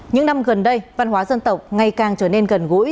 những năm gần đây văn hóa dân tộc ngày càng trở nên gần gũi